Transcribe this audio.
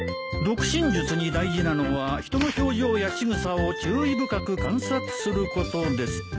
「読心術に大事なのは人の表情やしぐさを注意深く観察することです」